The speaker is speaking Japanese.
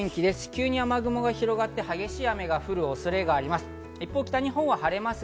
急に雨雲が広がって、激しい雨が降る恐れがあります。